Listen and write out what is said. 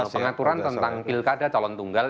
pengaturan tentang pilkada calon tunggal